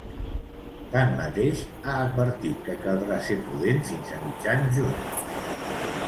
Tanmateix, ha advertit que caldrà ser prudent fins a mitjan juny.